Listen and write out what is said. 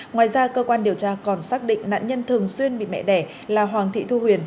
ngoài ra cơ quan điều tra còn xác định nạn nhân thường xuyên bị mẹ đẻ là hoàng thị thu huyền